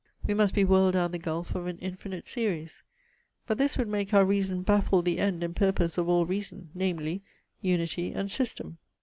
We must be whirled down the gulf of an infinite series. But this would make our reason baffle the end and purpose of all reason, namely, unity and system.